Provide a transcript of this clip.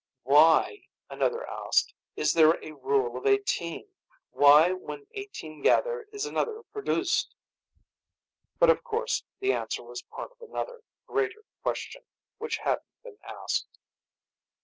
"Why," another asked, "Is there a rule of eighteen? Why, when eighteen gather, is another produced?" But of course the answer was part of another, greater question, which hadn't been asked.